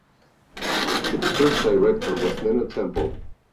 Its first director was Nina Temple.